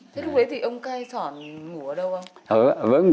thế lúc đấy thì ông cây xoạn ngủ ở đâu không